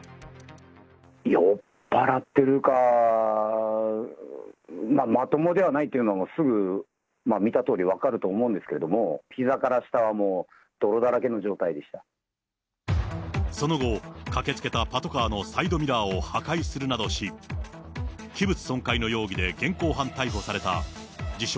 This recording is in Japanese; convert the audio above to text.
酔っ払ってるか、まともではないというのはすぐ、見たとおり分かると思うんですけれども、ひざから下はもう、その後、駆けつけたパトカーのサイドミラーを破壊するなどし、器物損壊の容疑で現行犯逮捕された、自称